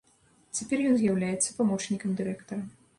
Цяпер ён з'яўляецца памочнікам дырэктара.